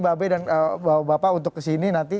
bapak dan mbak be untuk kesini nanti